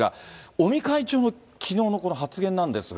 尾身会長のきのうのこの発言なんですが。